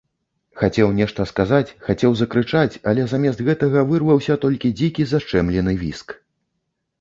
Хацеў нешта сказаць, хацеў закрычаць, але замест гэтага вырваўся толькі дзікі зашчэмлены віск.